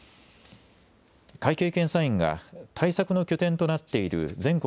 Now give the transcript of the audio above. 会計検査院が対策の拠点となっている全国